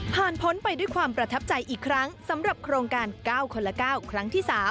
พ้นไปด้วยความประทับใจอีกครั้งสำหรับโครงการ๙คนละ๙ครั้งที่๓